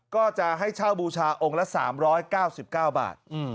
ก็จะให้เช่าบูชาองค์ละ๓๙๙บาท